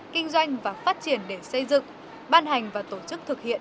kinh doanh và phát triển để xây dựng ban hành và tổ chức thực hiện